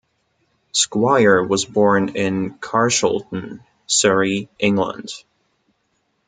Squire was born in Carshalton, Surrey, England.